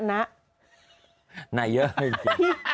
น่ะเยอะอยู่จริง